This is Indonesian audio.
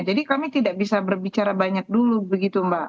jadi kami tidak bisa berbicara banyak dulu begitu mbak